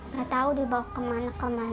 gak tau dibawa kemana kemananya